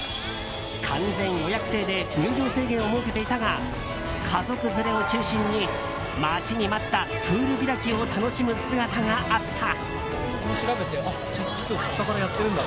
完全予約制で入場制限を設けていたが家族連れを中心に待ちに待ったプール開きを楽しむ姿があった。